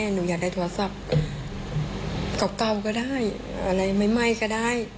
หนูอยากได้โทรศัพท์เก่าก็ได้อะไรไม่ไหม้ก็ได้